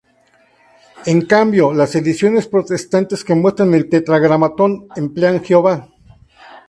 En cambio, las ediciones protestantes que muestran el Tetragrámaton emplean "Jehová".